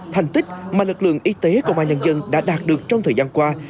thành tích mà lực lượng y tế công an nhân dân đã đạt được trong thời gian qua